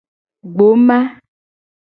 Gboma.